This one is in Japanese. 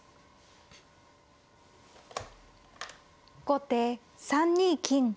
後手３二金。